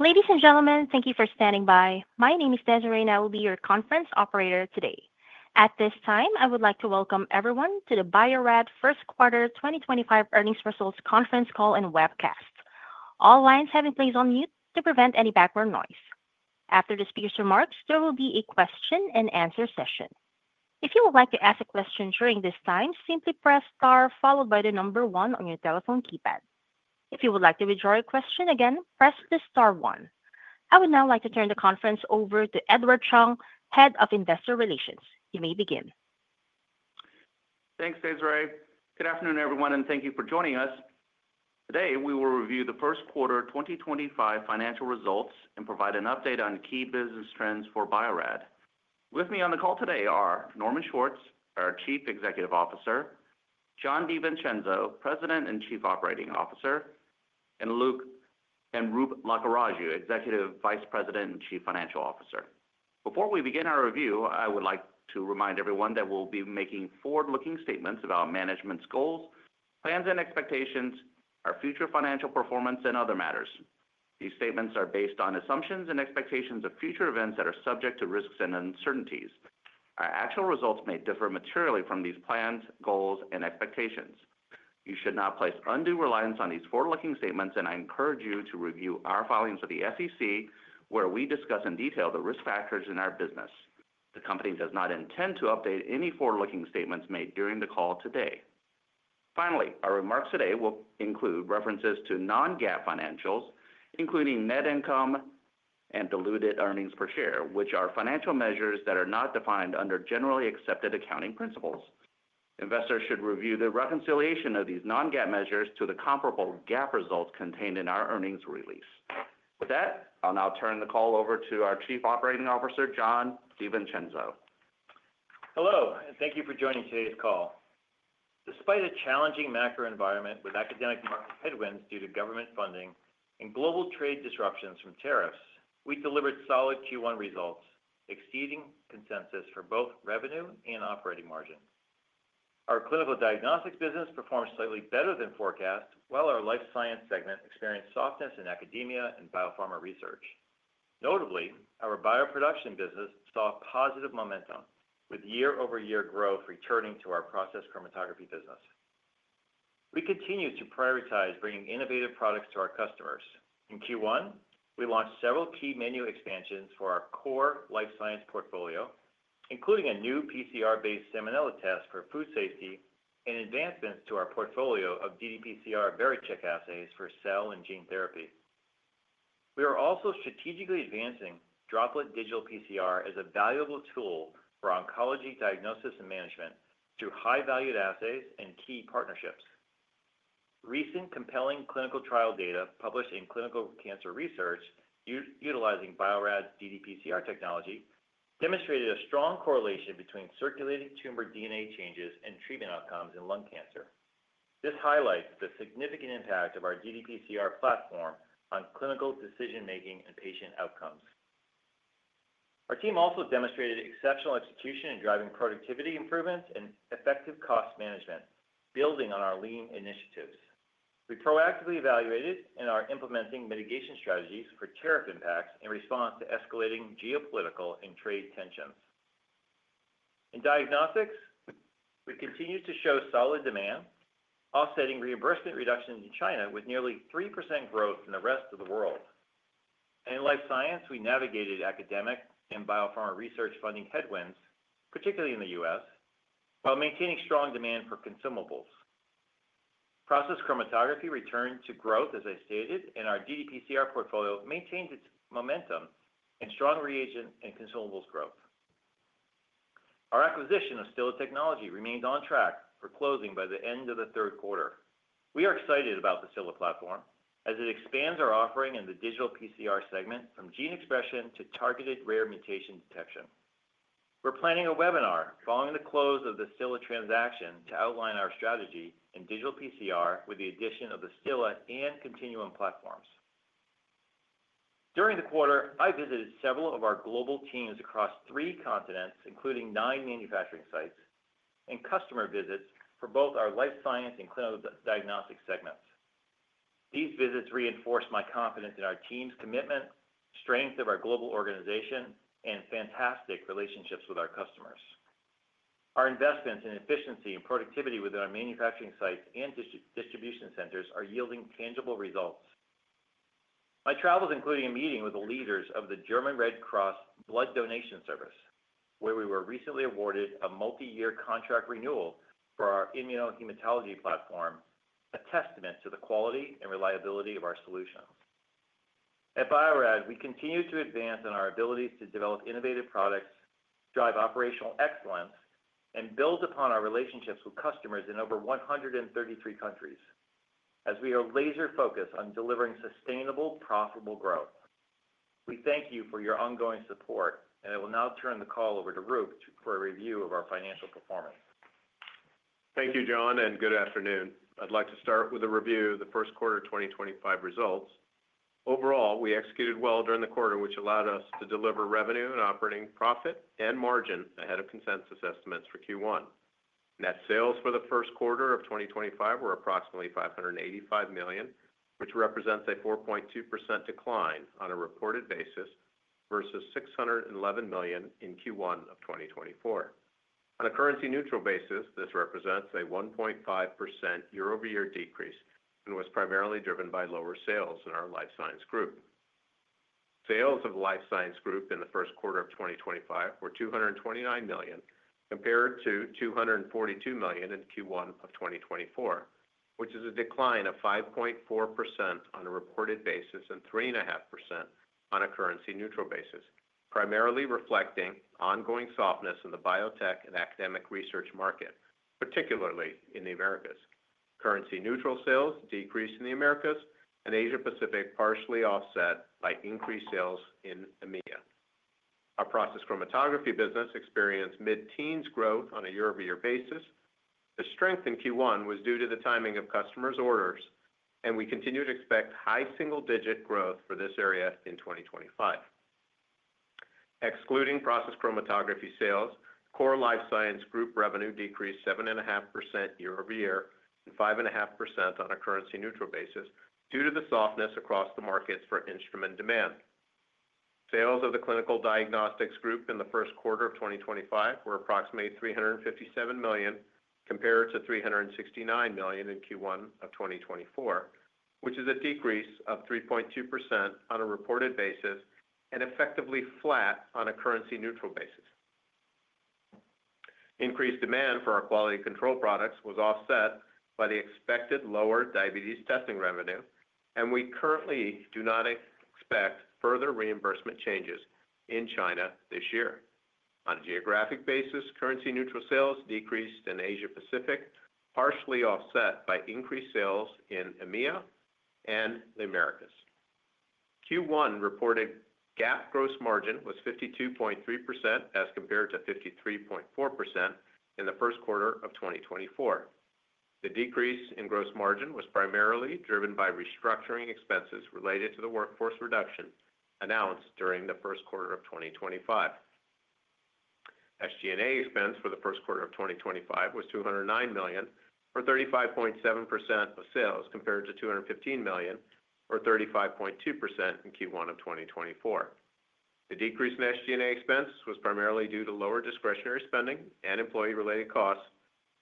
Ladies and gentlemen, thank you for standing by. My name is Desiree, and I will be your conference operator today. At this time, I would like to welcome everyone to the Bio-Rad First Quarter 2025 Earnings Results Conference Call and Webcast. All lines have been placed on mute to prevent any background noise. After the speaker's remarks, there will be a question-and-answer session. If you would like to ask a question during this time, simply press star, followed by the number one on your telephone keypad. If you would like to withdraw your question again, press the star one. I would now like to turn the conference over to Edward Chung, Head of Investor Relations. You may begin. Thanks, Desiree. Good afternoon, everyone, and thank you for joining us. Today, we will review the first quarter 2025 financial results and provide an update on key business trends for Bio-Rad. With me on the call today are Norman Schwartz, our Chief Executive Officer; Jon DiVincenzo, President and Chief Operating Officer; and Roop Lakkaraju, Executive Vice President and Chief Financial Officer. Before we begin our review, I would like to remind everyone that we'll be making forward-looking statements about management's goals, plans, and expectations, our future financial performance, and other matters. These statements are based on assumptions and expectations of future events that are subject to risks and uncertainties. Our actual results may differ materially from these plans, goals, and expectations. You should not place undue reliance on these forward-looking statements, and I encourage you to review our filings with the SEC, where we discuss in detail the risk factors in our business. The company does not intend to update any forward-looking statements made during the call today. Finally, our remarks today will include references to non-GAAP financials, including net income and diluted earnings per share, which are financial measures that are not defined under generally accepted accounting principles. Investors should review the reconciliation of these non-GAAP measures to the comparable GAAP results contained in our earnings release. With that, I'll now turn the call over to our Chief Operating Officer, Jon DiVincenzo. Hello, and thank you for joining today's call. Despite a challenging macro environment with academic market headwinds due to government funding and global trade disruptions from tariffs, we delivered solid Q1 results, exceeding consensus for both revenue and operating margin. Our Clinical Diagnostics business performed slightly better than forecast, while our Life Science segment experienced softness in academia and biopharma research. Notably, our Bioproduction business saw positive momentum, with year-over-year growth returning to our process chromatography business. We continue to prioritize bringing innovative products to our customers. In Q1, we launched several key menu expansions for our core Life Science portfolio, including a new PCR-based Salmonella test for food safety and advancements to our portfolio of Droplet Digital PCR Vericheck assays for cell and gene therapy. We are also strategically advancing Droplet Digital PCR as a valuable tool for oncology diagnosis and management through high-valued assays and key partnerships. Recent compelling clinical trial data published in Clinical Cancer Research, utilizing Bio-Rad's ddPCR technology, demonstrated a strong correlation between circulating tumor DNA changes and treatment outcomes in lung cancer. This highlights the significant impact of our ddPCR platform on clinical decision-making and patient outcomes. Our team also demonstrated exceptional execution in driving productivity improvements and effective cost management, building on our lean initiatives. We proactively evaluated and are implementing mitigation strategies for tariff impacts in response to escalating geopolitical and trade tensions. In diagnostics, we continue to show solid demand, offsetting reimbursement reductions in China with nearly 3% growth in the rest of the world. In Life Science, we navigated academic and biopharma research funding headwinds, particularly in the U.S., while maintaining strong demand for consumables. Process chromatography returned to growth, as I stated, and our ddPCR portfolio maintained its momentum and strong reagent and consumables growth. Our acquisition of Stilla Technologies remains on track for closing by the end of the third quarter. We are excited about the Stilla platform, as it expands our offering in the Digital PCR segment from gene expression to targeted rare mutation detection. We're planning a webinar following the close of the Stilla transaction to outline our strategy in Digital PCR with the addition of the Stilla and Continuum platforms. During the quarter, I visited several of our global teams across three continents, including nine manufacturing sites, and customer visits for both our Life Science and Clinical Diagnostics segments. These visits reinforced my confidence in our team's commitment, strength of our global organization, and fantastic relationships with our customers. Our investments in efficiency and productivity with our manufacturing sites and distribution centers are yielding tangible results. My travels included a meeting with the leaders of the German Red Cross Blood Donation Service, where we were recently awarded a multi-year contract renewal for our immunohematology platform, a testament to the quality and reliability of our solutions. At Bio-Rad, we continue to advance in our ability to develop innovative products, drive operational excellence, and build upon our relationships with customers in over 133 countries, as we are laser-focused on delivering sustainable, profitable growth. We thank you for your ongoing support, and I will now turn the call over to Roop for a review of our financial performance. Thank you, Jon, and good afternoon. I'd like to start with a review of the First Quarter 2025 results. Overall, we executed well during the quarter, which allowed us to deliver revenue and operating profit and margin ahead of consensus estimates for Q1. Net sales for the First Quarter of 2025 were approximately $585 million, which represents a 4.2% decline on a reported basis versus $611 million in Q1 of 2024. On a currency-neutral basis, this represents a 1.5% year-over-year decrease and was primarily driven by lower sales in our Life Science group. Sales of the Life Science group in the First Quarter of 2025 were $229 million, compared to $242 million in Q1 of 2024, which is a decline of 5.4% on a reported basis and 3.5% on a currency-neutral basis, primarily reflecting ongoing softness in the biotech and academic research market, particularly in the Americas. Currency-neutral sales decreased in the Americas and Asia-Pacific, partially offset by increased sales in EMEA. Our process chromatography business experienced mid-teens growth on a year-over-year basis. The strength in Q1 was due to the timing of customers' orders, and we continue to expect high single-digit growth for this area in 2025. Excluding process chromatography sales, core Life Science group revenue decreased 7.5% year-over-year and 5.5% on a currency-neutral basis due to the softness across the markets for instrument demand. Sales of the Clinical Diagnostics group in the first quarter of 2025 were approximately $357 million, compared to $369 million in Q1 of 2024, which is a decrease of 3.2% on a reported basis and effectively flat on a currency-neutral basis. Increased demand for our quality control products was offset by the expected lower diabetes testing revenue, and we currently do not expect further reimbursement changes in China this year. On a geographic basis, currency-neutral sales decreased in Asia-Pacific, partially offset by increased sales in EMEA and the Americas. Q1 reported GAAP gross margin was 52.3% as compared to 53.4% in the first quarter of 2024. The decrease in gross margin was primarily driven by restructuring expenses related to the workforce reduction announced during the first quarter of 2025. SG&A expense for the first quarter of 2025 was $209 million, or 35.7% of sales, compared to $215 million, or 35.2% in Q1 of 2024. The decrease in SG&A expense was primarily due to lower discretionary spending and employee-related costs,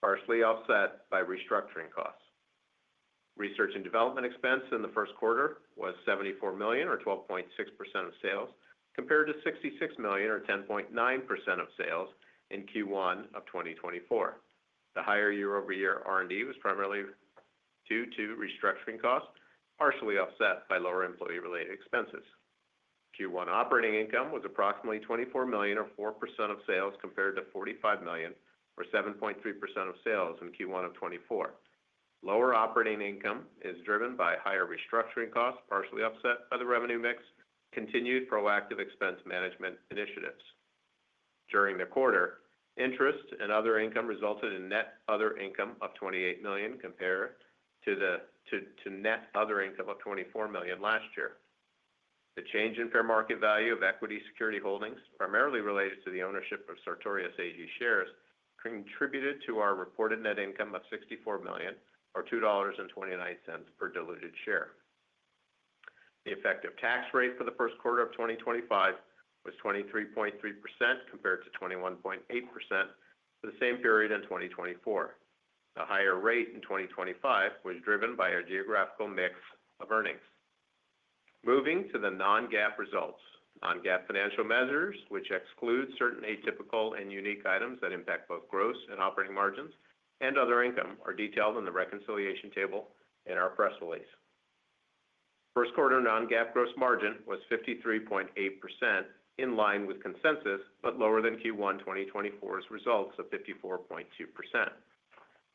partially offset by restructuring costs. Research and development expense in the first quarter was $74 million, or 12.6% of sales, compared to $66 million, or 10.9% of sales, in Q1 of 2024. The higher year-over-year R&D was primarily due to restructuring costs, partially offset by lower employee-related expenses. Q1 operating income was approximately $24 million, or 4% of sales, compared to $45 million, or 7.3% of sales in Q1 of 2024. Lower operating income is driven by higher restructuring costs, partially offset by the revenue mix, continued proactive expense management initiatives. During the quarter, interest and other income resulted in net other income of $28 million, compared to net other income of $24 million last year. The change in fair market value of equity security holdings, primarily related to the ownership of Sartorius AG shares, contributed to our reported net income of $64 million, or $2.29 per diluted share. The effective tax rate for the First Quarter of 2025 was 23.3%, compared to 21.8% for the same period in 2024. The higher rate in 2025 was driven by our geographical mix of earnings. Moving to the non-GAAP results, non-GAAP financial measures, which exclude certain atypical and unique items that impact both gross and operating margins and other income, are detailed in the reconciliation table in our press release. First Quarter non-GAAP gross margin was 53.8%, in line with consensus, but lower than Q1 2024's results of 54.2%.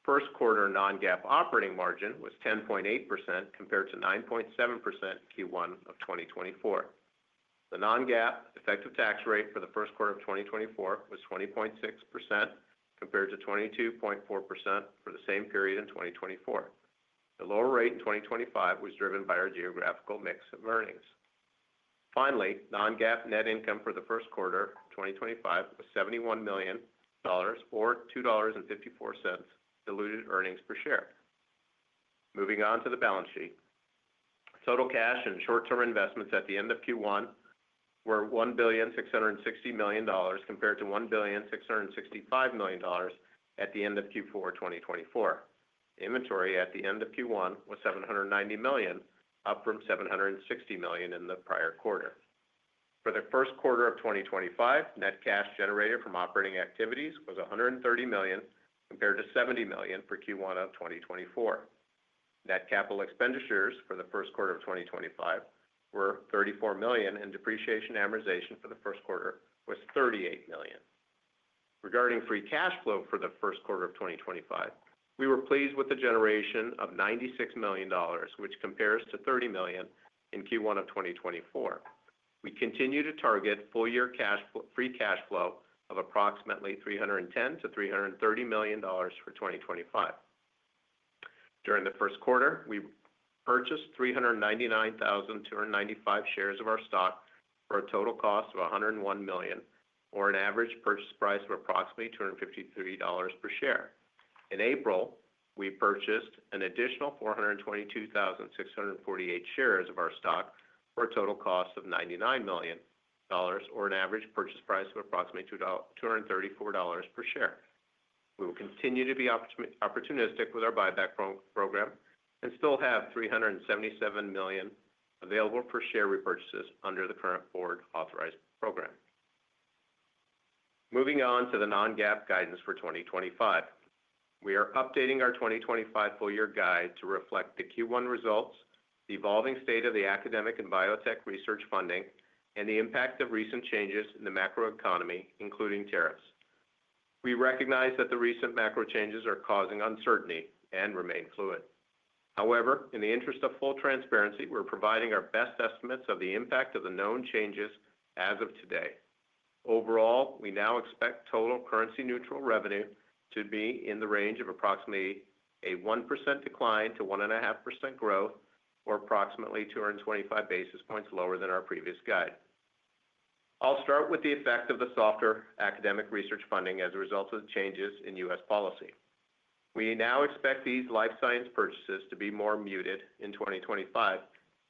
First Quarter non-GAAP operating margin was 10.8%, compared to 9.7% Q1 of 2024. The non-GAAP effective tax rate for the First Quarter of 2024 was 20.6%, compared to 22.4% for the same period in 2024. The lower rate in 2025 was driven by our geographical mix of earnings. Finally, non-GAAP net income for the First Quarter 2025 was $71 million, or $2.54 diluted earnings per share. Moving on to the balance sheet, total cash and short-term investments at the end of Q1 were $1,660 million, compared to $1,665 million at the end of Q4 2024. Inventory at the end of Q1 was $790 million, up from $760 million in the prior quarter. For the First Quarter of 2025, net cash generated from operating activities was $130 million, compared to $70 million for Q1 of 2024. Net capital expenditures for the First Quarter of 2025 were $34 million, and depreciation amortization for the First Quarter was $38 million. Regarding free cash flow for the First Quarter of 2025, we were pleased with the generation of $96 million, which compares to $30 million in Q1 of 2024. We continue to target full-year free cash flow of approximately $310-$330 million for 2025. During the First Quarter, we purchased 399,295 shares of our stock for a total cost of $101 million, or an average purchase price of approximately $253 per share. In April, we purchased an additional 422,648 shares of our stock for a total cost of $99 million, or an average purchase price of approximately $234 per share. We will continue to be opportunistic with our buyback program and still have $377 million available for share repurchases under the current board-authorized program. Moving on to the non-GAAP guidance for 2025, we are updating our 2025 full-year guide to reflect the Q1 results, the evolving state of the academic and biotech research funding, and the impact of recent changes in the macroeconomy, including tariffs. We recognize that the recent macro changes are causing uncertainty and remain fluid. However, in the interest of full transparency, we're providing our best estimates of the impact of the known changes as of today. Overall, we now expect total currency-neutral revenue to be in the range of approximately a 1% decline to 1.5% growth, or approximately 225 basis points lower than our previous guide. I'll start with the effect of the softer academic research funding as a result of the changes in U.S. policy. We now expect these Life Science purchases to be more muted in 2025,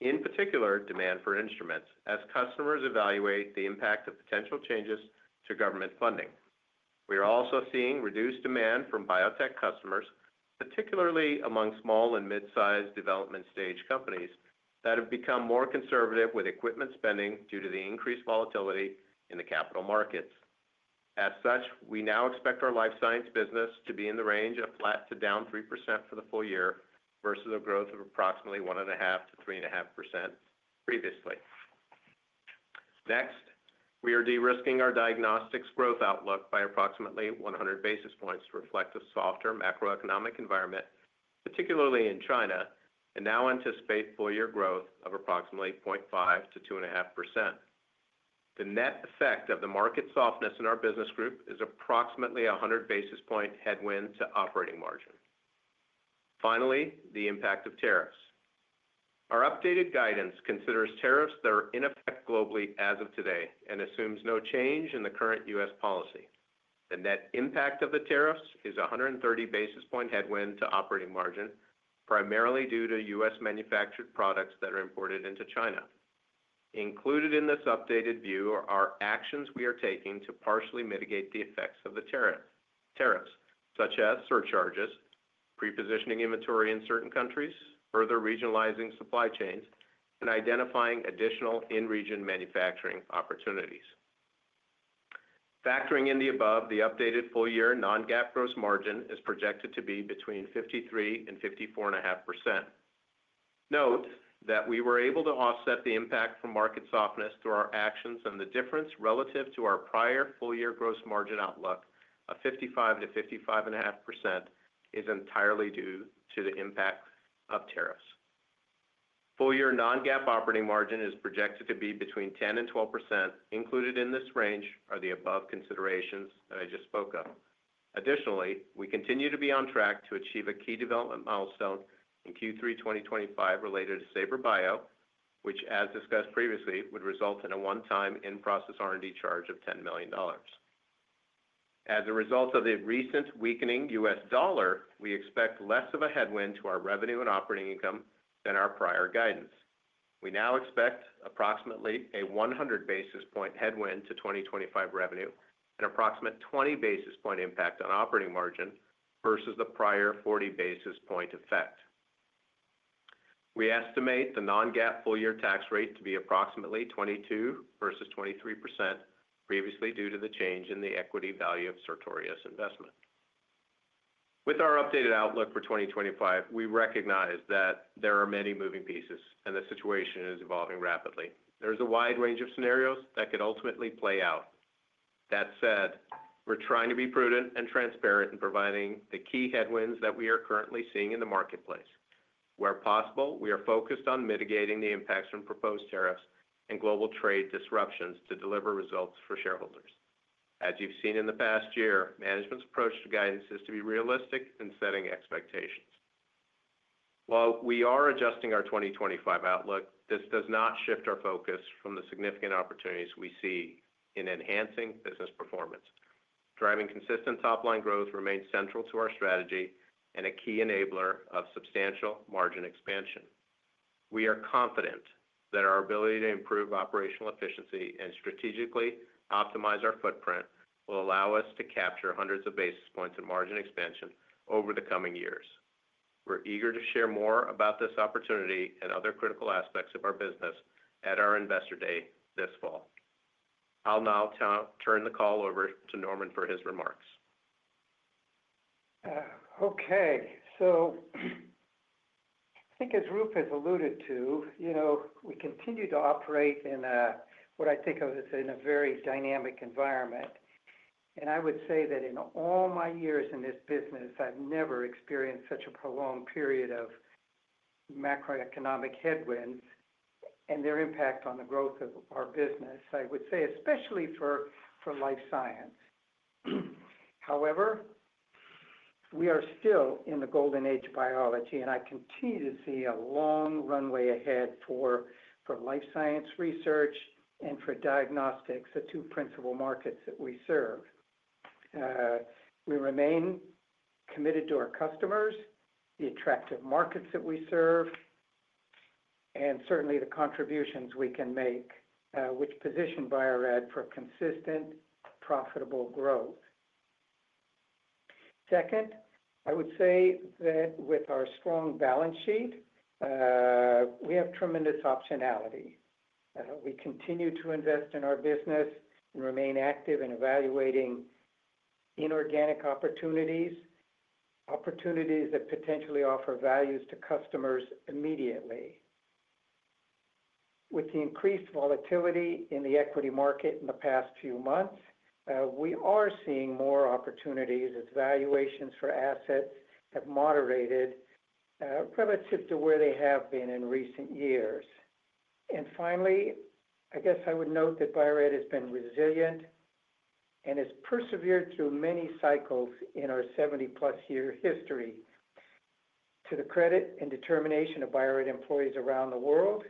in particular demand for instruments, as customers evaluate the impact of potential changes to government funding. We are also seeing reduced demand from biotech customers, particularly among small and mid-sized development-stage companies that have become more conservative with equipment spending due to the increased volatility in the capital markets. As such, we now expect our Life Science business to be in the range of flat to down 3% for the full year versus a growth of approximately 1.5%-3.5% previously. Next, we are de-risking our diagnostics growth outlook by approximately 100 basis points to reflect a softer macroeconomic environment, particularly in China, and now anticipate full-year growth of approximately 0.5%-2.5%. The net effect of the market softness in our business group is approximately a 100 basis point headwind to operating margin. Finally, the impact of tariffs. Our updated guidance considers tariffs that are in effect globally as of today and assumes no change in the current U.S. policy. The net impact of the tariffs is a 130 basis point headwind to operating margin, primarily due to U.S. manufactured products that are imported into China. Included in this updated view are actions we are taking to partially mitigate the effects of the tariffs, such as surcharges, pre-positioning inventory in certain countries, further regionalizing supply chains, and identifying additional in-region manufacturing opportunities. Factoring in the above, the updated full-year non-GAAP gross margin is projected to be between 53%-54.5%. Note that we were able to offset the impact from market softness through our actions, and the difference relative to our prior full-year gross margin outlook of 55%-55.5% is entirely due to the impact of tariffs. Full-year non-GAAP operating margin is projected to be between 10%-12%. Included in this range are the above considerations that I just spoke of. Additionally, we continue to be on track to achieve a key development milestone in Q3 2025 related to Saber Bio, which, as discussed previously, would result in a one-time in-process R&D charge of $10 million. As a result of the recent weakening U.S. dollar, we expect less of a headwind to our revenue and operating income than our prior guidance. We now expect approximately a 100 basis point headwind to 2025 revenue and approximate 20 basis point impact on operating margin versus the prior 40 basis point effect. We estimate the non-GAAP full-year tax rate to be approximately 22% versus 23%, previously due to the change in the equity value of Sartorius Investment. With our updated outlook for 2025, we recognize that there are many moving pieces, and the situation is evolving rapidly. There is a wide range of scenarios that could ultimately play out. That said, we're trying to be prudent and transparent in providing the key headwinds that we are currently seeing in the marketplace. Where possible, we are focused on mitigating the impacts from proposed tariffs and global trade disruptions to deliver results for shareholders. As you've seen in the past year, management's approach to guidance is to be realistic in setting expectations. While we are adjusting our 2025 outlook, this does not shift our focus from the significant opportunities we see in enhancing business performance. Driving consistent top-line growth remains central to our strategy and a key enabler of substantial margin expansion. We are confident that our ability to improve operational efficiency and strategically optimize our footprint will allow us to capture hundreds of basis points in margin expansion over the coming years. We are eager to share more about this opportunity and other critical aspects of our business at our investor day this fall. I'll now turn the call over to Norman for his remarks. Okay. I think, as Roop has alluded to, you know we continue to operate in what I think of as a very dynamic environment. I would say that in all my years in this business, I've never experienced such a prolonged period of macroeconomic headwinds and their impact on the growth of our business, I would say, especially for Life Science. However, we are still in the golden age of biology, and I continue to see a long runway ahead for Life Science research and for diagnostics, the two principal markets that we serve. We remain committed to our customers, the attractive markets that we serve, and certainly the contributions we can make, which position Bio-Rad for consistent, profitable growth. Second, I would say that with our strong balance sheet, we have tremendous optionality. We continue to invest in our business and remain active in evaluating inorganic opportunities, opportunities that potentially offer values to customers immediately. With the increased volatility in the equity market in the past few months, we are seeing more opportunities as valuations for assets have moderated relative to where they have been in recent years. Finally, I guess I would note that Bio-Rad has been resilient and has persevered through many cycles in our 70+ year history. To the credit and determination of Bio-Rad employees around the world,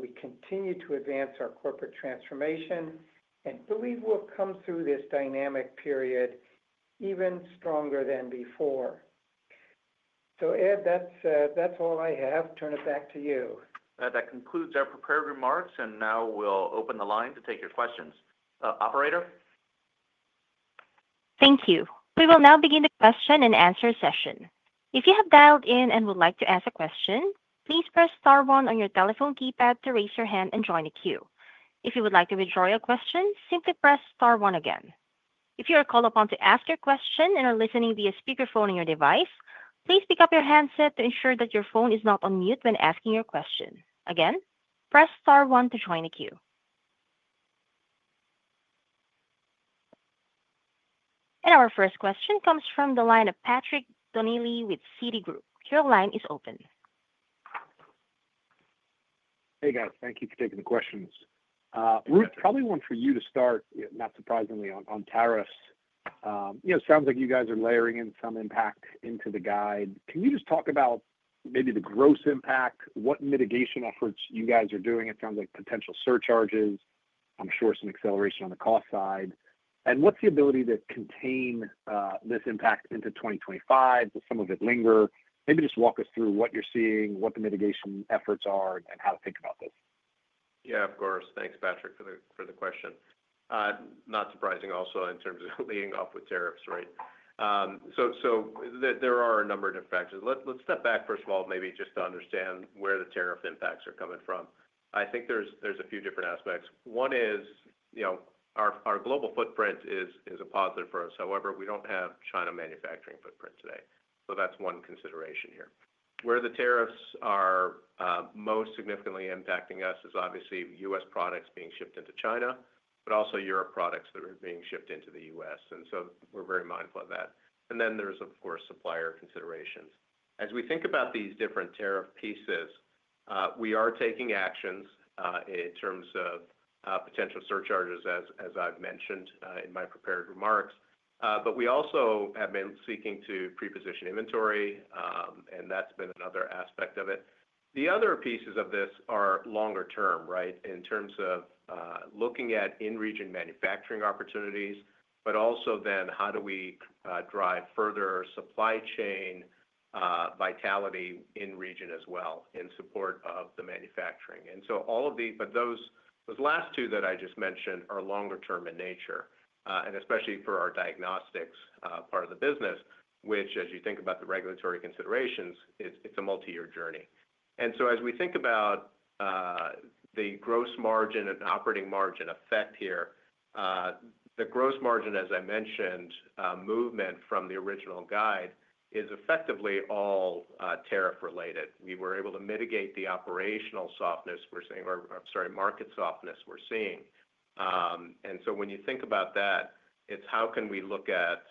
we continue to advance our corporate transformation and believe we'll come through this dynamic period even stronger than before. Ed, that's all I have. Turn it back to you. That concludes our prepared remarks, and now we'll open the line to take your questions. Operator? Thank you. We will now begin the question and answer session. If you have dialed in and would like to ask a question, please press star one on your telephone keypad to raise your hand and join the queue. If you would like to withdraw your question, simply press star one again. If you are called upon to ask your question and are listening via speakerphone on your device, please pick up your handset to ensure that your phone is not on mute when asking your question. Again, press star one to join the queue. Our first question comes from the line of Patrick Donnelly with Citi. Your line is open. Hey, guys. Thank you for taking the questions. Roop, probably one for you to start, not surprisingly, on tariffs. You know, it sounds like you guys are layering in some impact into the guide. Can you just talk about maybe the gross impact, what mitigation efforts you guys are doing? It sounds like potential surcharges, I'm sure some acceleration on the cost side. What's the ability to contain this impact into 2025? Does some of it linger? Maybe just walk us through what you're seeing, what the mitigation efforts are, and how to think about this. Yeah, of course. Thanks, Patrick, for the question. Not surprising also in terms of leading off with tariffs, right? There are a number of different factors. Let's step back, first of all, maybe just to understand where the tariff impacts are coming from. I think there's a few different aspects. One is, you know, our global footprint is a positive for us. However, we don't have China manufacturing footprint today. That's one consideration here. Where the tariffs are most significantly impacting us is obviously U.S. Products being shipped into China, but also Europe products that are being shipped into the U.S.. We are very mindful of that. There are, of course, supplier considerations. As we think about these different tariff pieces, we are taking actions in terms of potential surcharges, as I mentioned in my prepared remarks. We also have been seeking to pre-position inventory, and that has been another aspect of it. The other pieces of this are longer term, right, in terms of looking at in-region manufacturing opportunities, but also how do we drive further supply chain vitality in region as well in support of the manufacturing. All of these, but those last two that I just mentioned, are longer term in nature, and especially for our diagnostics part of the business, which, as you think about the regulatory considerations, is a multi-year journey. As we think about the gross margin and operating margin effect here, the gross margin, as I mentioned, movement from the original guide is effectively all tariff-related. We were able to mitigate the operational softness we're seeing, or I'm sorry, market softness we're seeing. When you think about that, it's how can we look at,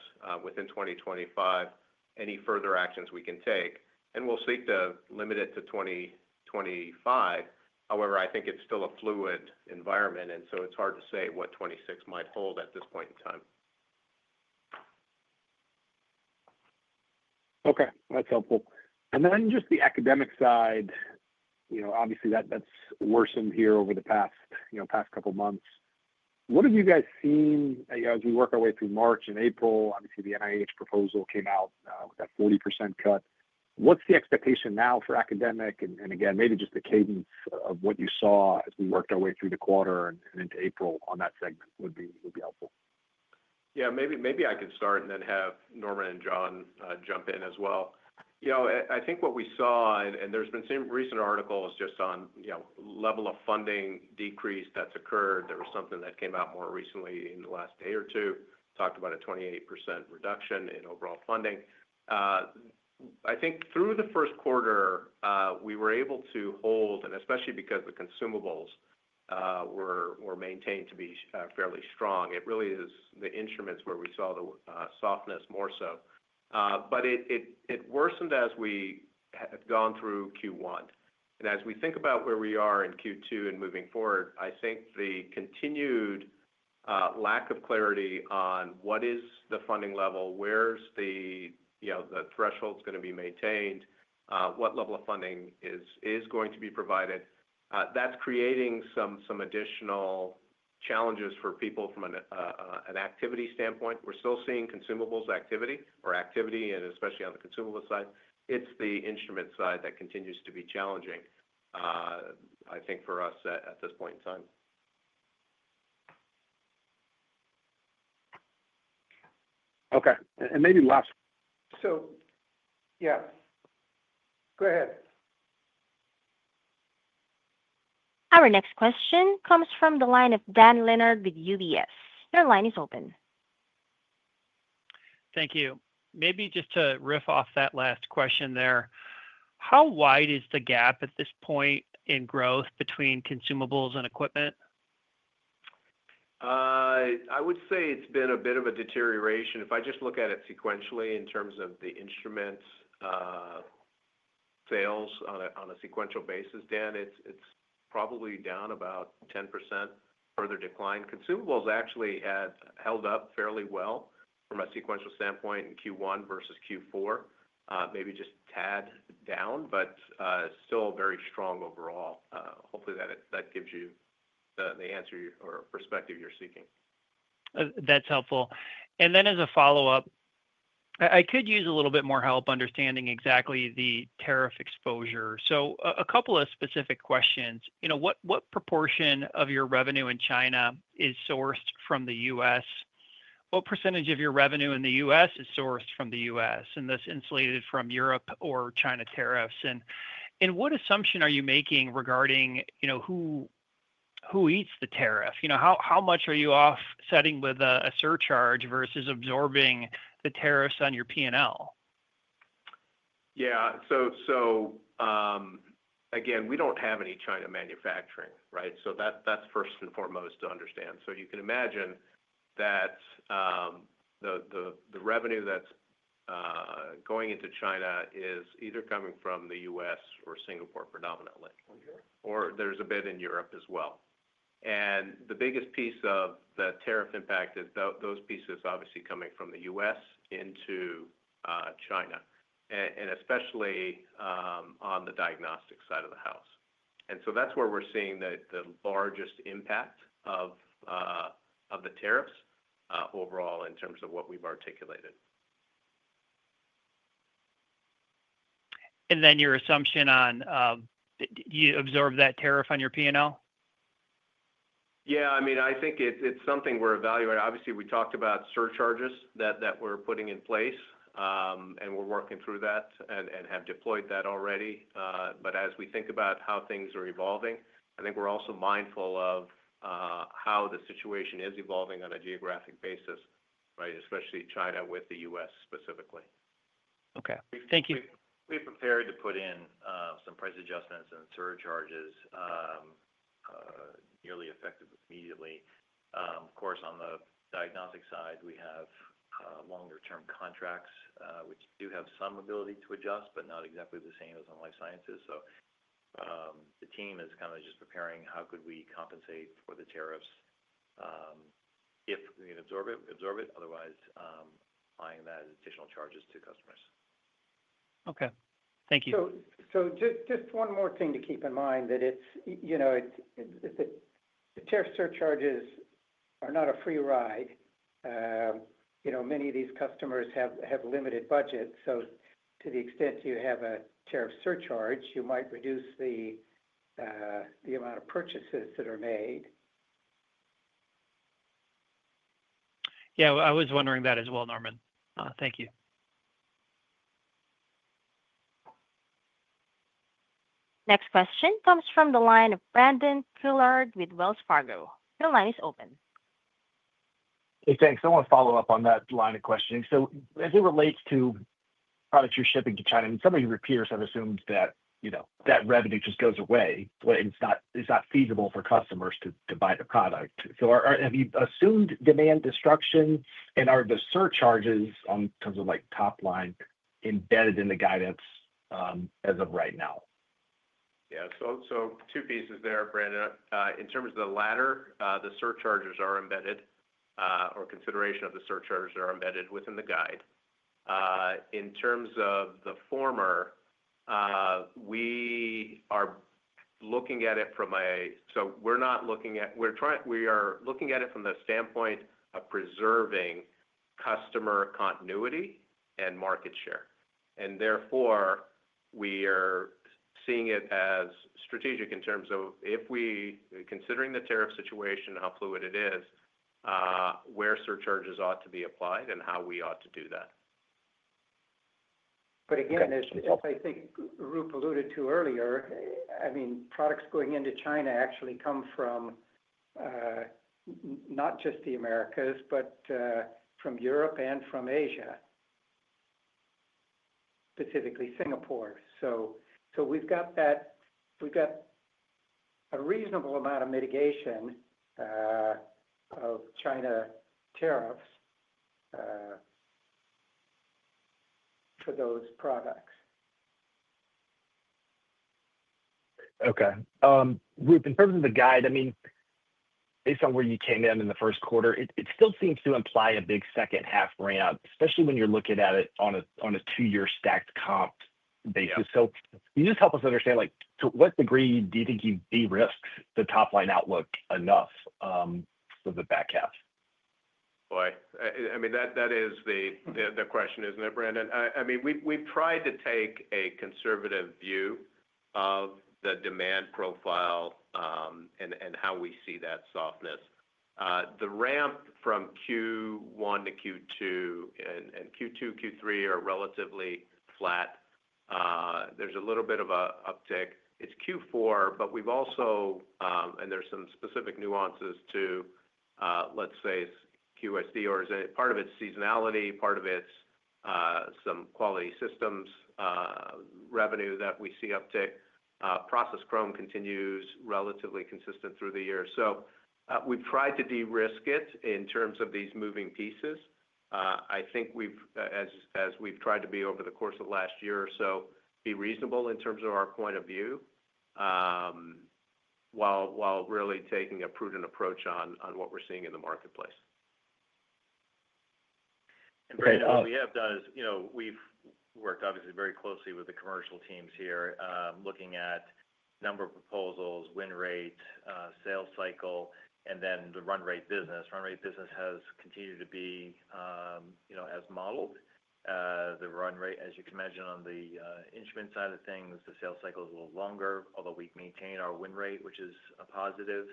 within 2025, any further actions we can take? We'll seek to limit it to 2025. However, I think it's still a fluid environment, and it's hard to say what 2026 might hold at this point in time. Okay. That's helpful. Then just the academic side, you know, obviously that's worsened here over the past couple of months. What have you guys seen as we work our way through March and April? Obviously, the NIH proposal came out with that 40% cut. What's the expectation now for academic? Again, maybe just the cadence of what you saw as we worked our way through the quarter and into April on that segment would be helpful. Yeah, maybe I can start and then have Norman and John jump in as well. You know, I think what we saw, and there's been some recent articles just on, you know, level of funding decrease that's occurred. There was something that came out more recently in the last day or two, talked about a 28% reduction in overall funding. I think through the first quarter, we were able to hold, and especially because the consumables were maintained to be fairly strong. It really is the instruments where we saw the softness more so. It worsened as we had gone through Q1. As we think about where we are in Q2 and moving forward, I think the continued lack of clarity on what is the funding level, where's the, you know, the thresholds going to be maintained, what level of funding is going to be provided, that's creating some additional challenges for people from an activity standpoint. We're still seeing consumables activity, or activity, and especially on the consumable side. It's the instrument side that continues to be challenging, I think, for us at this point in time. Okay. Maybe last. Yeah. Go ahead. Our next question comes from the line of Dan Leonard with UBS. Your line is open. Thank you. Maybe just to riff off that last question there, how wide is the gap at this point in growth between consumables and equipment? I would say it's been a bit of a deterioration. If I just look at it sequentially in terms of the instrument sales on a sequential basis, Dan, it's probably down about 10%, further decline. Consumables actually had held up fairly well from a sequential standpoint in Q1 versus Q4, maybe just a tad down, but still very strong overall. Hopefully, that gives you the answer or perspective you're seeking. That's helpful. As a follow-up, I could use a little bit more help understanding exactly the tariff exposure. A couple of specific questions. You know, what proportion of your revenue in China is sourced from the U.S.? What percentage of your revenue in the U.S. is sourced from the U.S., and that's insulated from Europe or China tariffs? What assumption are you making regarding, you know, who eats the tariff? You know, how much are you offsetting with a surcharge versus absorbing the tariffs on your P&L? Yeah. Again, we don't have any China manufacturing, right? That's first and foremost to understand. You can imagine that the revenue that's going into China is either coming from the U.S. or Singapore predominantly, or there's a bit in Europe as well. The biggest piece of the tariff impact is those pieces obviously coming from the U.S. into China, and especially on the diagnostic side of the house. That's where we're seeing the largest impact of the tariffs overall in terms of what we've articulated. Your assumption on, you observe that tariff on your P&L? Yeah. I mean, I think it's something we're evaluating. Obviously, we talked about surcharges that we're putting in place, and we're working through that and have deployed that already. As we think about how things are evolving, I think we're also mindful of how the situation is evolving on a geographic basis, right, especially China with the U.S. specifically. Okay. Thank you. We've prepared to put in some price adjustments and surcharges nearly effective immediately. Of course, on the diagnostic side, we have longer-term contracts, which do have some ability to adjust, but not exactly the same as in Life Sciences. The team is kind of just preparing how could we compensate for the tariffs if we can absorb it, otherwise applying that as additional charges to customers. Okay. Thank you. Just one more thing to keep in mind that it's, you know, the tariff surcharges are not a free ride. You know, many of these customers have limited budgets. To the extent you have a tariff surcharge, you might reduce the amount of purchases that are made. Yeah, I was wondering that as well, Norman. Thank you. Next question comes from the line of Brandon Couillard with Wells Fargo. Your line is open. Hey, thanks. I want to follow up on that line of questioning. As it relates to products you're shipping to China, I mean, some of your peers have assumed that, you know, that revenue just goes away, but it's not feasible for customers to buy the product. Have you assumed demand destruction, and are the surcharges on terms of like top line embedded in the guidance as of right now? Yeah. Two pieces there, Brandon. In terms of the latter, the surcharges are embedded, or consideration of the surcharges are embedded within the guide. In terms of the former, we are looking at it from a, we are not looking at, we are trying, we are looking at it from the standpoint of preserving customer continuity and market share. Therefore, we are seeing it as strategic in terms of if we, considering the tariff situation, how fluid it is, where surcharges ought to be applied and how we ought to do that. Again, as I think Roop alluded to earlier, I mean, products going into China actually come from not just the Americas, but from Europe and from Asia, specifically Singapore. We have got that, we have got a reasonable amount of mitigation of China tariffs for those products. Okay. Roop, in terms of the guide, I mean, based on where you came in in the first quarter, it still seems to imply a big second half ramp, especially when you're looking at it on a two-year stacked comp basis. Can you just help us understand, like, to what degree do you think you de-risked the top line outlook enough for the back half? Boy, I mean, that is the question, isn't it, Brandon? I mean, we've tried to take a conservative view of the demand profile and how we see that softness. The ramp from Q1 to Q2 and Q2, Q3 are relatively flat. There's a little bit of an uptick. It's Q4, but we've also, and there's some specific nuances to, let's say, QSD, or part of it's seasonality, part of it's some quality systems revenue that we see uptick. Process chromatography continues relatively consistent through the year. We have tried to de-risk it in terms of these moving pieces. I think we have, as we have tried to be over the course of the last year or so, been reasonable in terms of our point of view while really taking a prudent approach on what we are seeing in the marketplace. What we have done is, you know, we have worked obviously very closely with the commercial teams here, looking at number of proposals, win rate, sales cycle, and then the run rate business. Run rate business has continued to be, you know, as modeled. The run rate, as you can imagine on the instrument side of things, the sales cycle is a little longer, although we maintain our win rate, which is a positive.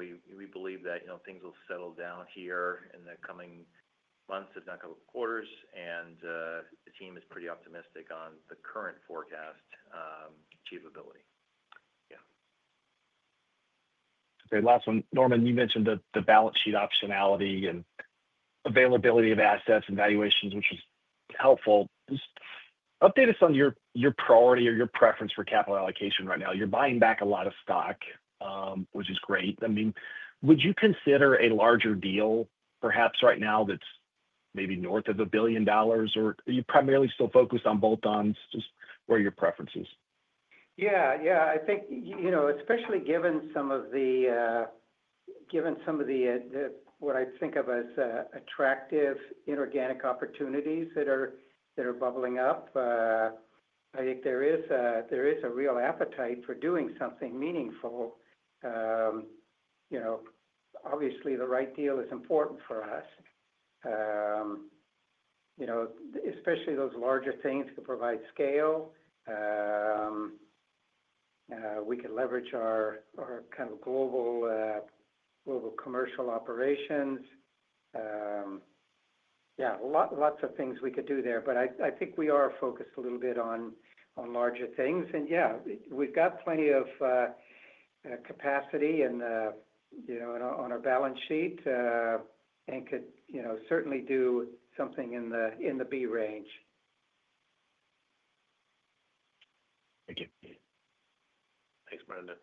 We believe that, you know, things will settle down here in the coming months, if not a couple of quarters, and the team is pretty optimistic on the current forecast achievability. Yeah. Okay. Last one. Norman, you mentioned the balance sheet optionality and availability of assets and valuations, which was helpful. Just update us on your priority or your preference for capital allocation right now. You're buying back a lot of stock, which is great. I mean, would you consider a larger deal perhaps right now that's maybe north of a billion dollars, or are you primarily still focused on bolt-ons, just where your preference is? Yeah, yeah. I think, you know, especially given some of the, given some of the what I think of as attractive inorganic opportunities that are bubbling up, I think there is a real appetite for doing something meaningful. You know, obviously the right deal is important for us. You know, especially those larger things could provide scale. We could leverage our kind of global commercial operations. Yeah, lots of things we could do there, but I think we are focused a little bit on larger things. Yeah, we've got plenty of capacity and, you know, on our balance sheet and could, you know, certainly do something in the B range. Thank you. Thanks,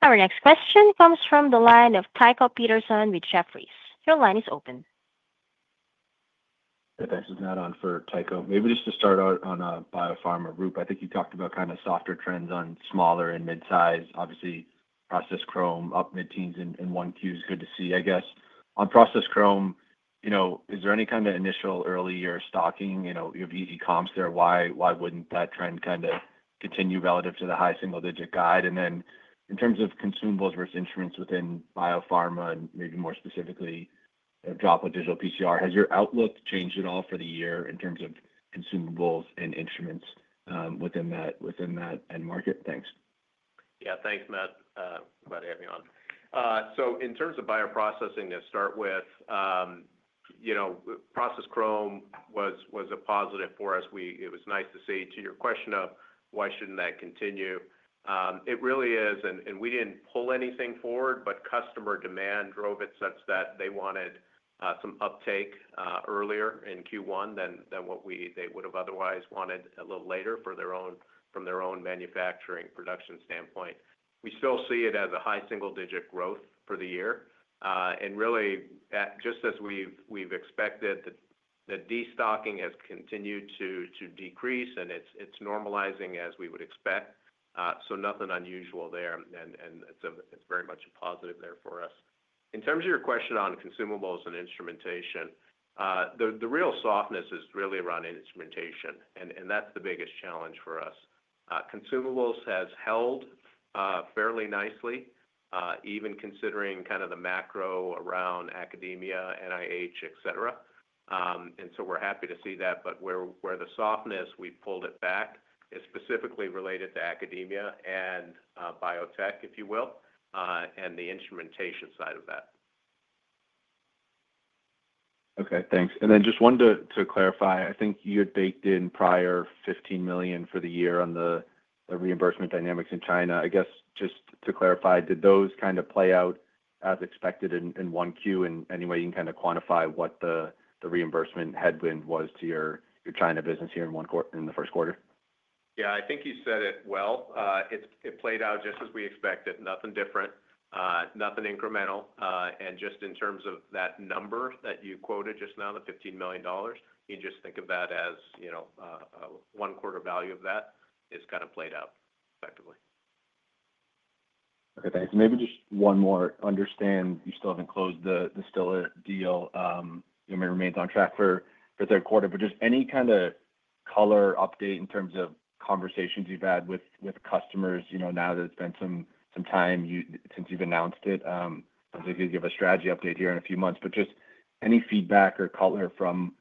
Brandon. Our next question comes from the line of Tycho Peterson with Jefferies. Your line is open. This is not on for Tycho. Maybe just to start out on a biopharma route, I think you talked about kind of softer trends on smaller and mid-size, obviously process chrom, up mid-teens and one-Qs good to see. I guess on process chrom, you know, is there any kind of initial early year stocking, you know, you have EV comps there, why would not that trend kind of continue relative to the high single-digit guide? In terms of consumables versus instruments within biopharma and maybe more specifically Droplet Digital PCR, has your outlook changed at all for the year in terms of consumables and instruments within that end market? Thanks. Yeah, thanks, Matt. Glad to have you on. In terms of bioprocessing to start with, you know, process chrom was a positive for us. It was nice to see to your question of why should not that continue. It really is, and we didn't pull anything forward, but customer demand drove it such that they wanted some uptake earlier in Q1 than what they would have otherwise wanted a little later for their own manufacturing production standpoint. We still see it as a high single-digit growth for the year. Really, just as we've expected, the destocking has continued to decrease and it's normalizing as we would expect. Nothing unusual there, and it's very much a positive there for us. In terms of your question on consumables and instrumentation, the real softness is really around instrumentation, and that's the biggest challenge for us. Consumables has held fairly nicely, even considering kind of the macro around academia, NIH, etc. We're happy to see that, but where the softness, we pulled it back, is specifically related to academia and biotech, if you will, and the instrumentation side of that. Okay, thanks. Then just one to clarify, I think you had baked in prior $15 million for the year on the reimbursement dynamics in China. I guess just to clarify, did those kind of play out as expected in one Q? Any way you can kind of quantify what the reimbursement headwind was to your China business here in the first quarter? Yeah, I think you said it well. It played out just as we expected, nothing different, nothing incremental. Just in terms of that number that you quoted just now, the $15 million, you can just think of that as, you know, a one-quarter value of that is kind of played out effectively. Okay, thanks. Maybe just one more. Understand you still haven't closed the Stilla deal. You may remain on track for third quarter, but just any kind of color update in terms of conversations you've had with customers, you know, now that it's been some time since you've announced it. I think you'll give a strategy update here in a few months, but just any feedback or color from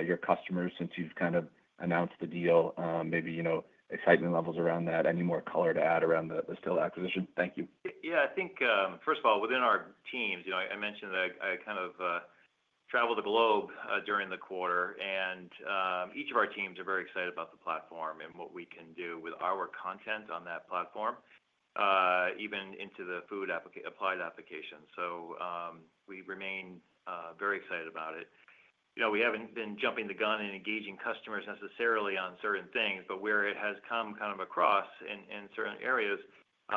your customers since you've kind of announced the deal, maybe, you know, excitement levels around that, any more color to add around the Stilla acquisition? Thank you. Yeah, I think first of all, within our teams, you know, I mentioned that I kind of traveled the globe during the quarter, and each of our teams are very excited about the platform and what we can do with our content on that platform, even into the food applied application. We remain very excited about it. You know, we haven't been jumping the gun and engaging customers necessarily on certain things, but where it has come kind of across in certain areas,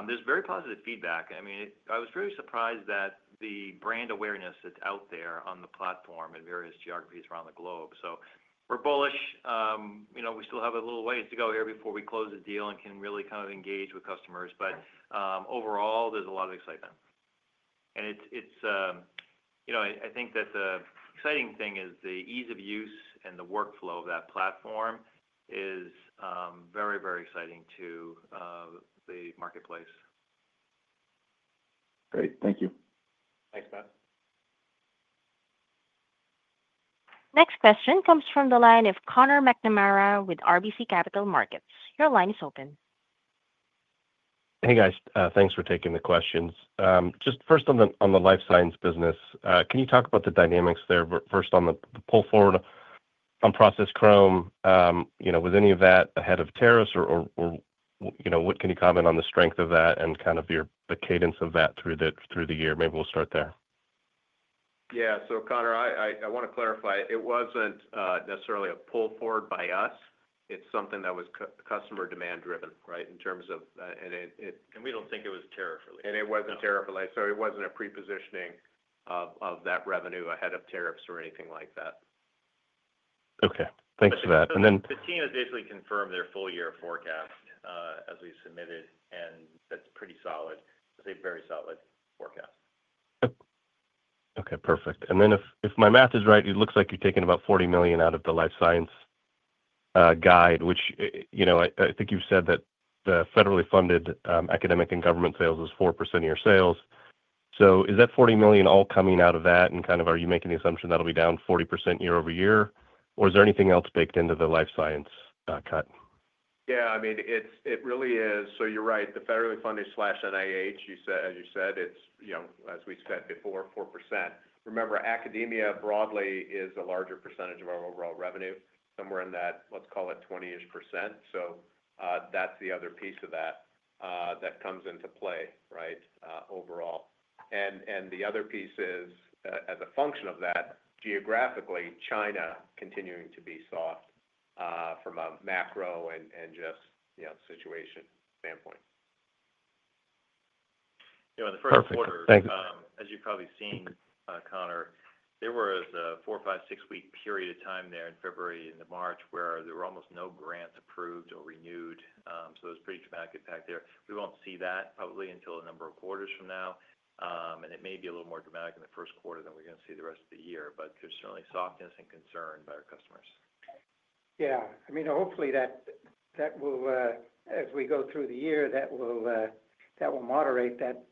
there's very positive feedback. I mean, I was really surprised at the brand awareness that's out there on the platform in various geographies around the globe. We are bullish. You know, we still have a little ways to go here before we close the deal and can really kind of engage with customers. Overall, there's a lot of excitement. It's, you know, I think that the exciting thing is the ease of use and the workflow of that platform is very, very exciting to the marketplace. Great. Thank you. Thanks, Matt. Next question comes from the line of Conor McNamara with RBC Capital Markets. Your line is open. Hey, guys. Thanks for taking the questions. Just first on the Life Science business, can you talk about the dynamics there first on the pull forward on process chrom, you know, was any of that ahead of tariffs or, you know, what can you comment on the strength of that and kind of the cadence of that through the year? Maybe we'll start there. Yeah. So Conor, I want to clarify. It wasn't necessarily a pull forward by us. It's something that was customer demand driven, right, in terms of, and we don't think it was tariff related. And it wasn't tariff related. So it wasn't a pre-positioning of that revenue ahead of tariffs or anything like that. Okay. Thanks for that. And then the team has basically confirmed their full year forecast as we submitted, and that's pretty solid. It's a very solid forecast. Okay. Perfect. If my math is right, it looks like you're taking about $40 million out of the Life Science guide, which, you know, I think you've said that the federally funded academic and government sales is 4% of your sales. Is that $40 million all coming out of that? Are you making the assumption that'll be down 40% year over year, or is there anything else baked into the Life Science cut? Yeah, I mean, it really is. You're right. The federally funded slash NIH, as you said, it's, you know, as we said before, 4%. Remember, academia broadly is a larger percentage of our overall revenue, somewhere in that, let's call it 20-ish percent. That's the other piece of that that comes into play, right, overall. The other piece is, as a function of that, geographically, China continuing to be soft from a macro and just, you know, situation standpoint. You know, in the first quarter, as you've probably seen, Conor, there was a four-, five-, six-week period of time there in February into March where there were almost no grants approved or renewed. It was a pretty dramatic impact there. We will not see that probably until a number of quarters from now. It may be a little more dramatic in the first quarter than we are going to see the rest of the year, but there is certainly softness and concern by our customers. Yeah. I mean, hopefully that will, as we go through the year, moderate, that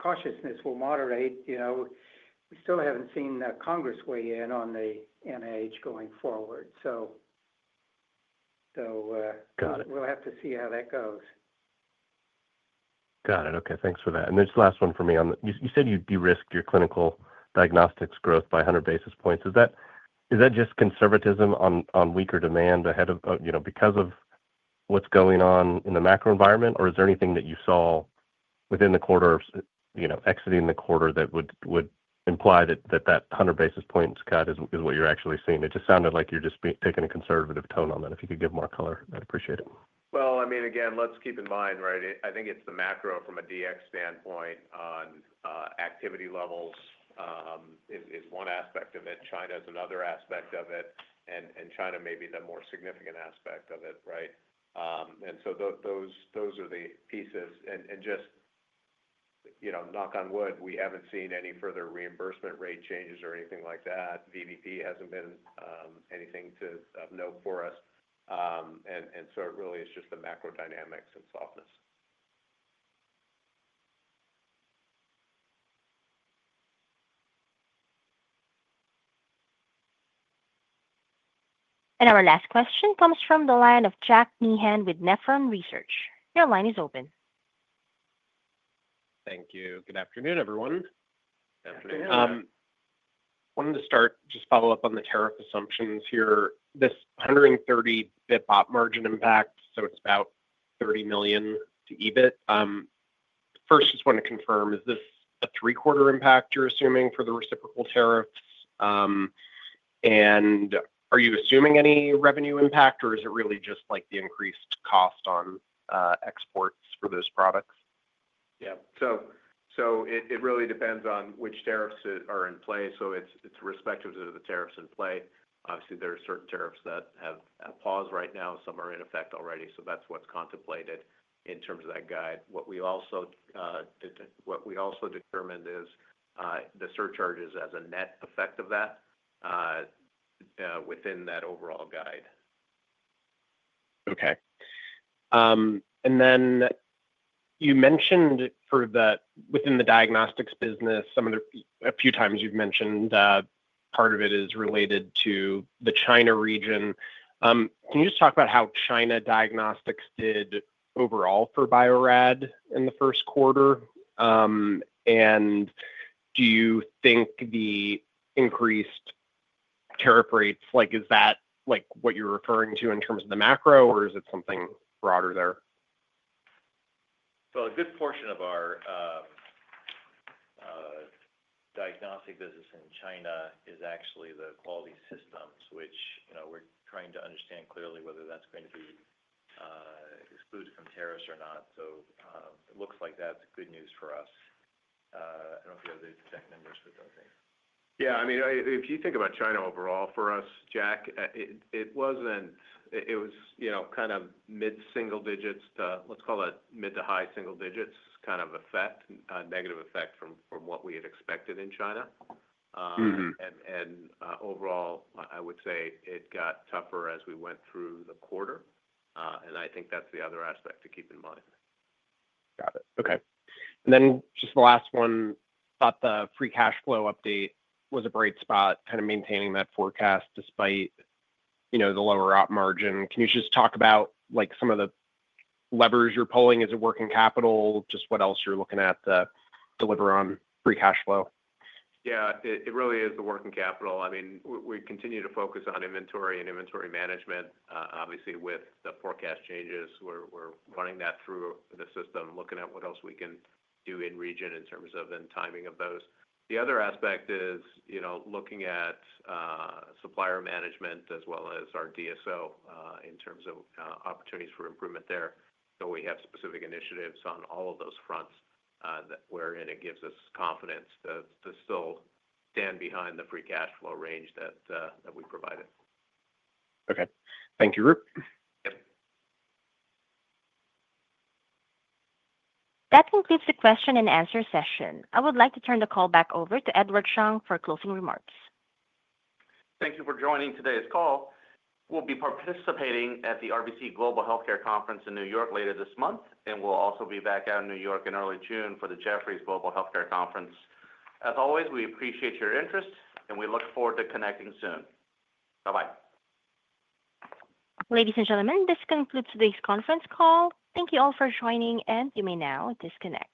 cautiousness will moderate. You know, we still have not seen Congress weigh in on the NIH going forward. We will have to see how that goes. Got it. Okay. Thanks for that. And this last one for me, you said you de-risked your Clinical Diagnostics growth by 100 basis points. Is that just conservatism on weaker demand ahead of, you know, because of what's going on in the macro environment, or is there anything that you saw within the quarter, you know, exiting the quarter that would imply that that 100 basis points cut is what you're actually seeing? It just sounded like you're just taking a conservative tone on that. If you could give more color, I'd appreciate it. I mean, again, let's keep in mind, right, I think it's the macro from a Dx standpoint on activity levels is one aspect of it. China is another aspect of it, and China may be the more significant aspect of it, right? And so those are the pieces. Just, you know, knock on wood, we haven't seen any further reimbursement rate changes or anything like that. VBP hasn't been anything to note for us. It really is just the macro dynamics and softness. Our last question comes from the line of Jack Meehan with Nephron Research. Your line is open. Thank you. Good afternoon, everyone. Good afternoon. I wanted to start, just follow up on the tariff assumptions here. This 130 basis point margin impact, so it's about $30 million to EBIT. First, just want to confirm, is this a three-quarter impact you're assuming for the reciprocal tariffs? And are you assuming any revenue impact, or is it really just like the increased cost on exports for those products? Yeah. It really depends on which tariffs are in play. It's respective to the tariffs in play. Obviously, there are certain tariffs that have paused right now. Some are in effect already. That is what is contemplated in terms of that guide. What we also determined is the surcharges as a net effect of that within that overall guide. Okay. You mentioned for that within the diagnostics business, a few times you have mentioned part of it is related to the China region. Can you just talk about how China diagnostics did overall for Bio-Rad in the first quarter? Do you think the increased tariff rates, like is that what you are referring to in terms of the macro, or is it something broader there? A good portion of our diagnostic business in China is actually the quality systems, which, you know, we are trying to understand clearly whether that is going to be excluded from tariffs or not. It looks like that's good news for us. I don't know if you have the exact numbers, but I don't think. Yeah. I mean, if you think about China overall for us, Jack, it was, you know, kind of mid-single digits to, let's call it mid to high single digits kind of effect, negative effect from what we had expected in China. Overall, I would say it got tougher as we went through the quarter. I think that's the other aspect to keep in mind. Got it. Okay. The last one, thought the free cash flow update was a bright spot, kind of maintaining that forecast despite, you know, the lower op margin. Can you just talk about like some of the levers you're pulling? Is it working capital? Just what else you're looking at to deliver on free cash flow? Yeah, it really is the working capital. I mean, we continue to focus on inventory and inventory management, obviously with the forecast changes. We're running that through the system, looking at what else we can do in region in terms of the timing of those. The other aspect is, you know, looking at supplier management as well as our DSO in terms of opportunities for improvement there. We have specific initiatives on all of those fronts wherein it gives us confidence to still stand behind the free cash flow range that we provided. Okay. Thank you, Roop. Yep. That concludes the question and answer session. I would like to turn the call back over to Edward Chung for closing remarks. Thank you for joining today's call. We'll be participating at the RBC Global Healthcare Conference in New York later this month, and we'll also be back out in New York in early June for the Jefferies Global Healthcare Conference. As always, we appreciate your interest, and we look forward to connecting soon. Bye-bye. Ladies and gentlemen, this concludes today's conference call. Thank you all for joining, and you may now disconnect.